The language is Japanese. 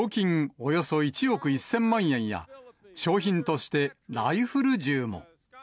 およそ１億１０００万円や、賞品としてライフル銃も。